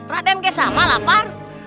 raden juga sama lapar